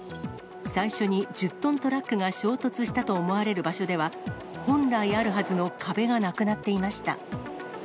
最初に１０トントラックが衝突したと思われる場所では、本来あるはずの壁がなくなっていました。